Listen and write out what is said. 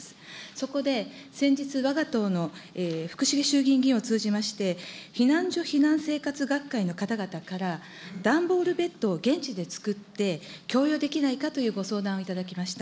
そこで、先日、わが党の衆議院議員を通じまして、避難所避難生活学会の方々から、段ボールベッドを現地で作って、供与できないかというご相談をいただきました。